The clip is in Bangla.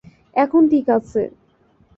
এখন ঠিক আছে।